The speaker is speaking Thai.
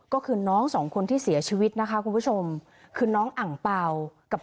ก็คือน้องสองคนที่เสียชีวิตนะคะคุณผู้ชมคือน้องอังเป่ากับ